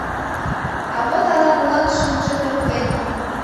А вот ала-молан шӱмжӧ пырткен.